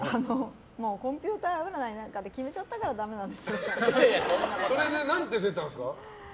コンピューター占いなんかで決めちゃったからそれでなんて出たんですか？